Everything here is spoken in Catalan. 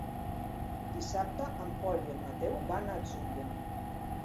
Dissabte en Pol i en Mateu van a l'Atzúbia.